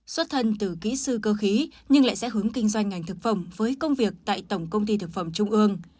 xuất thân từ kỹ sư cơ khí nhưng lại sẽ hướng kinh doanh ngành thực phẩm với công việc tại tổng công ty thực phẩm trung ương